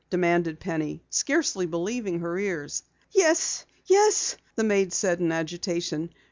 demanded Penny, scarcely believing her ears. "Yes, yes," the maid said in agitation.